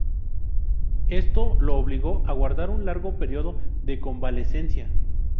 Esto lo obligó a guardar un largo periodo de convalecencia.